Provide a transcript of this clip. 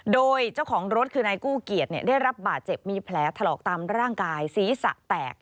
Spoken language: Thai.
โดยเจ้าของรถคือนายกู้เกียจได้รับบาดเจ็บมีแผลถลอกตามร่างกายศีรษะแตก